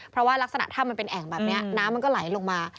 เพราะว่ารักษณะถ้ำมันเป็นแอ่งแบบนี้น้ำมันก็ไหลลงมา